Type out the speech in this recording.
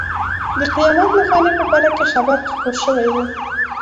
د قیامت نښانې په باره کې خبر خپور شوی و.